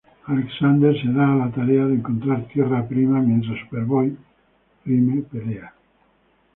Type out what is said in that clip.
Alexander se da a la tarea de encontrar Tierra Prima mientras Superboy Prime pelea.